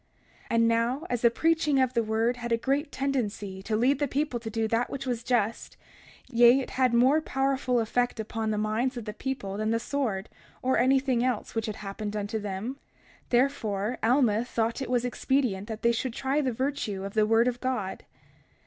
31:5 And now, as the preaching of the word had a great tendency to lead the people to do that which was just—yea, it had had more powerful effect upon the minds of the people than the sword, or anything else, which had happened unto them—therefore Alma thought it was expedient that they should try the virtue of the word of God.